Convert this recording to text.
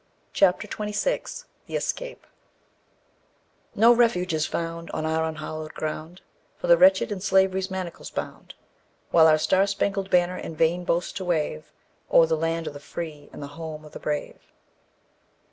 CHAPTER XXVI THE ESCAPE "No refuge is found on our unhallowed ground, For the wretched in Slavery's manacles bound; While our star spangled banner in vain boasts to wave O'er the land of the free and the home of the brave!"